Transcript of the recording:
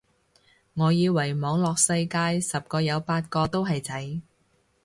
我以為網絡世界十個有八個都係仔